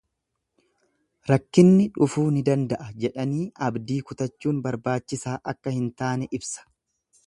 Rakkinni dhufuu ni danda'a jedhanii abdii kutachuun barbaachisaa akka hin taane ibsa.